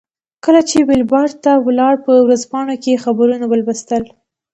کله چې ویلباډ ته ولاړ په ورځپاڼو کې یې خبرونه ولوستل.